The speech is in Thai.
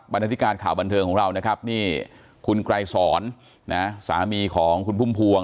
บรรณาธิการข่าวบันเทิงของเราคุณกลายสอนสามีของคุณพุ่มพวง